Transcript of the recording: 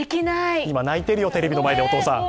今、泣いてるよ、テレビの前でお父さん。